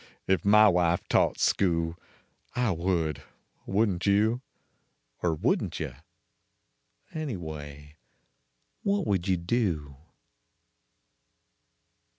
If my wife taught school, I would, wouldn t you? Er wouldn t yuh ? 4 Anvwav what would vou do?